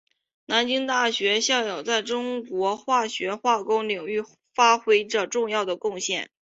南京大学校友在中国化学化工领域发挥着重要的贡献。